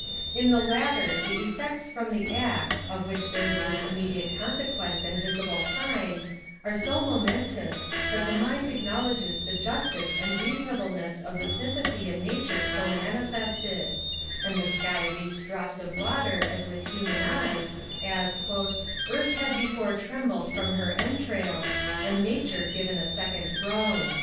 In the latter, the effects from the act, of which there is this immediate consequence and visible sign, are so momentous, that the mind acknowledges the justice and reasonableness of the sympathy in nature so manifested; and the sky weeps drops of water as if with human eyes, as 'Earth had before trembled from her entrails, and Nature given a second groan.'